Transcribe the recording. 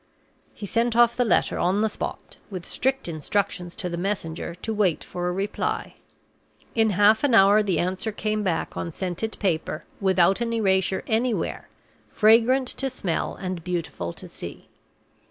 He sent off the letter on the spot, with strict instructions to the messenger to wait for a reply. In half an hour the answer came back on scented paper, without an erasure anywhere, fragrant to smell, and beautiful to see.